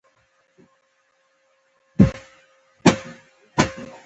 د کُلک، سولغی، کلچ آباد او زنګاوات د نامیانو صفتونه وو.